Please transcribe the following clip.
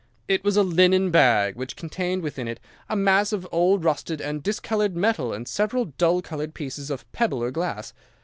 It was a linen bag which contained within it a mass of old rusted and discoloured metal and several dull coloured pieces of pebble or glass.